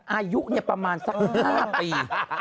อายุประมาณสัก๕ปี